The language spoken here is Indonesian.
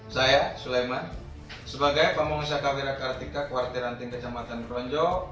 saya suleiman sebagai pemengusia kavira kartika kuartir ranting kecamatan kronjo